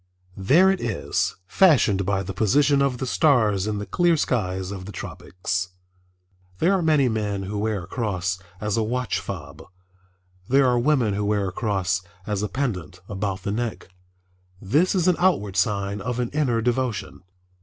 There it is, fashioned by the position of the stars in the clear skies of the tropics. There are many men who wear a cross as a watch fob. There are women who wear a cross as a pendant about the neck. This is an outward sign of an inner devotion.